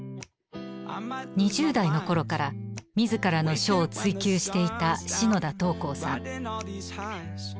２０代の頃から自らの書を追求していた篠田桃紅さん。